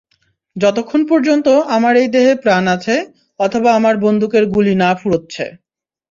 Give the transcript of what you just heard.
যতক্ষণ পর্যন্ত আমার এই দেহে প্রাণ আছে, অথবা আমার বন্দুকের গুলি না ফুরচ্ছে।